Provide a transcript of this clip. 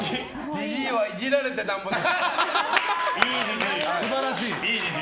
じじいはイジられてなんぼですから。